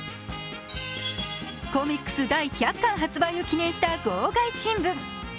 コミックス第１００巻発売を記念した号外新聞。